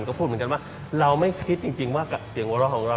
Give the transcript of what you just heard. ก็พูดเหมือนกันว่าเราไม่คิดจริงว่าเสียงหัวเราะของเรา